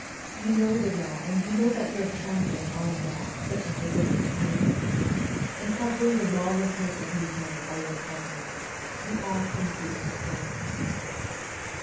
You know the law, and you know that you are trampling all law, such as it is, under your feet, and covering the lawlessness of these men by your presence ; you are simply a scoundrel